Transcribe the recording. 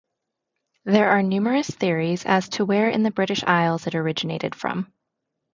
There are numerous theories as to where in the British Isles it originated from.